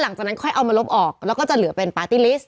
อ่าอ่าอ่าอ่าอ่าอ่า